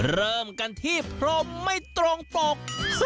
เริ่มกันที่พรมไม่ตรงปก